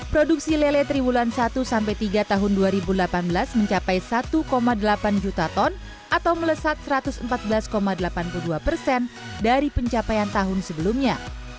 produksi lele triwulan satu sampai tiga tahun dua ribu delapan belas mencapai satu delapan juta ton atau melesat satu ratus empat belas delapan puluh dua persen dari pencapaian tahun sebelumnya